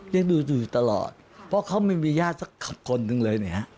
ยังดูอยู่ตลอดเพราะเขาไม่มีญาติสักคนหนึ่งเลยเนี่ยฮะ